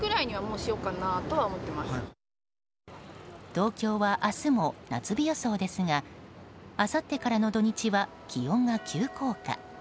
東京は明日も夏日予想ですがあさってからの土日は気温が急降下。